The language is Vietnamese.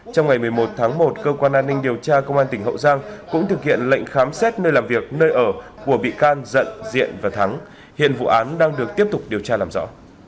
trong ngày một mươi một tháng một cơ quan an ninh điều tra công an tỉnh hậu giang cũng thực hiện lệnh khám xét nơi làm việc nơi ở của bị can dận diện và thắng hiện vụ án đang được tiếp tục điều tra làm rõ